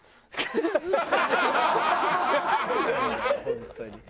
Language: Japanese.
本当に。